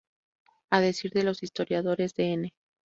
A decir de los historiadores, Dn.